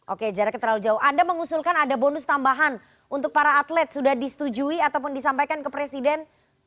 oke jaraknya terlalu jauh anda mengusulkan ada bonus tambahan untuk para atlet sudah disetujui ataupun disampaikan ke presiden